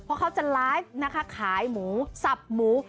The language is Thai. เพราะเขาจะไลฟ์นะคะขายหมูสับหมู